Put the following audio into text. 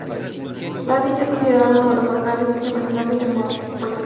Dávila, es considerado uno de los más grandes representantes del modernismo en Puerto Rico.